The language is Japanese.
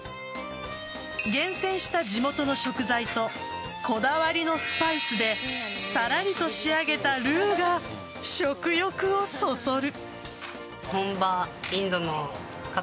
厳選した地元の食材とこだわりのスパイスでさらりと仕上げたルーが食欲をそそる。